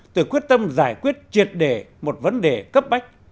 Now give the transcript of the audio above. từ quyết tâm giải quyết triệt đề một vấn đề cấp bách